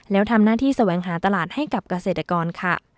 แล้วทำหน้าที่แสวงหาตลาดให้กับเกษตรกรค่ะ